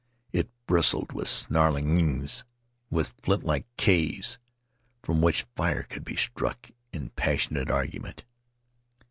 It bristled with snarling ng's, with flintlike k's from which fire could be struck in passionate argument.